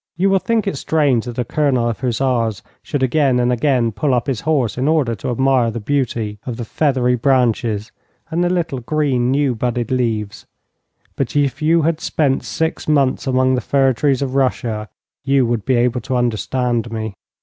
You will think it strange that a Colonel of hussars should again and again pull up his horse in order to admire the beauty of the feathery branches and the little, green, new budded leaves, but if you had spent six months among the fir trees of Russia you would be able to understand me.